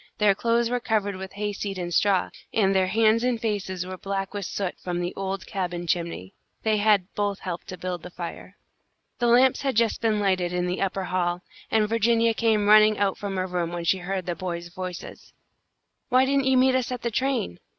Their clothes were covered with hayseed and straw, and their hands and faces were black with soot from the old cabin chimney. They had both helped to build the fire. The lamps had just been lighted in the upper hall, and Virginia came running out from her room when she heard the boys' voices. "Why didn't you meet us at the train?"